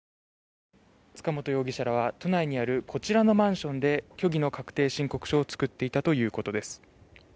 塚本容疑者らは、都内にあるこちらのマンションで虚偽の確定申告書を作っていたということです。